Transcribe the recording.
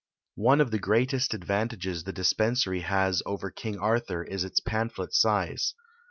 One of the greatest advantages the Dispensary has over King Arthur is its pamphlet size.